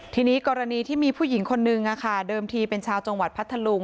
ทีนี้กรณีที่มีผู้หญิงคนนึงเดิมทีเป็นชาวจังหวัดพัทธลุง